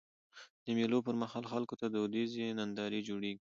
د مېلو پر مهال خلکو ته دودیزي نندارې جوړيږي.